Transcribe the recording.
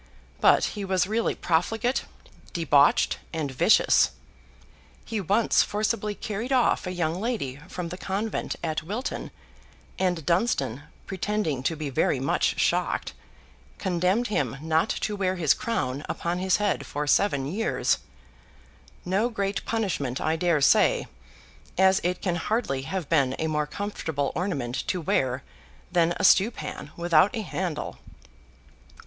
But he was really profligate, debauched, and vicious. He once forcibly carried off a young lady from the convent at Wilton; and Dunstan, pretending to be very much shocked, condemned him not to wear his crown upon his head for seven years—no great punishment, I dare say, as it can hardly have been a more comfortable ornament to wear, than a stewpan without a handle.